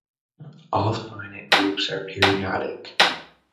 All finite groups are periodic.